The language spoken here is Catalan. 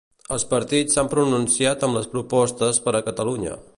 Els partits s'han pronunciat amb les propostes per a Catalunya.